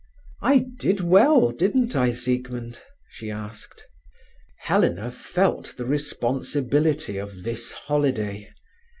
"I did well, didn't I, Siegmund?" she asked. Helena felt the responsibility of this holiday.